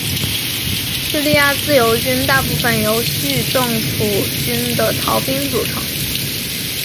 叙利亚自由军大部分由叙政府军的逃兵组成。